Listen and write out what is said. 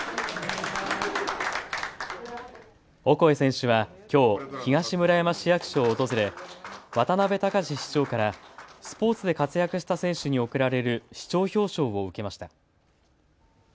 オコエ選手はきょう東村山市役所を訪れ渡部尚市長からスポーツで活躍した選手に贈られる市長表彰を受けました。